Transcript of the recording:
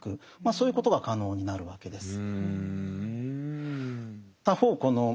そういうことが可能になるわけです。